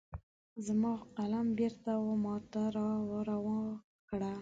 زما قلم بیرته وماته را روا کړه